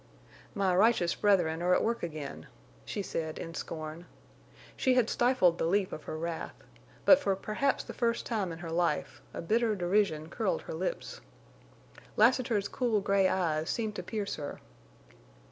"My righteous brethren are at work again," she said, in scorn. She had stifled the leap of her wrath, but for perhaps the first time in her life a bitter derision curled her lips. Lassiter's cool gray eyes seemed to pierce her.